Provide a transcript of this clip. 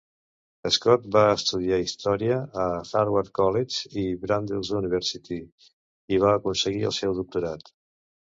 Scott va estudiar història a Harvard College i Brandeis University, i va aconseguir el seu doctorat.